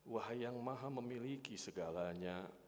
wah yang maha memiliki segalanya